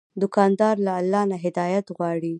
دوکاندار له الله نه هدایت غواړي.